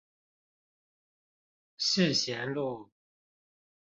世賢路